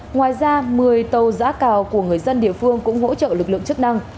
ngoài ra một mươi tàu giã cào của người dân địa phương cũng hỗ trợ lực lượng chức năng